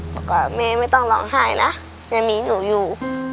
บอกว่าแม่ไม่ต้องร้องไห้นะยังมีหนูอยู่